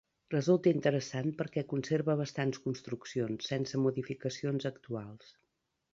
Resulta interessant perquè conserva bastants construccions sense modificacions actuals.